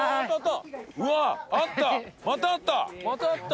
うわーあった！